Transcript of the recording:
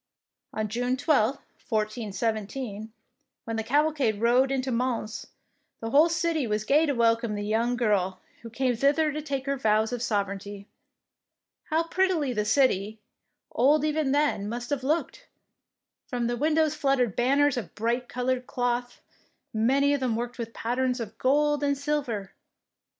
On June 12, 1417, when the caval cade rode into Mons, the whole city was gay to welcome the young girl 61 DEEDS OF DARING who came thither to take her vows of sovereignty. How prettily the city, old even then, must have looked I From the windows fluttered banners of bright coloured cloth, many of them worked with patterns of gold and silver!